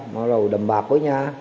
bà con là người đầm bạc với nhà